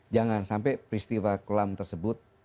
jangan sampai peristiwa kelam tersebut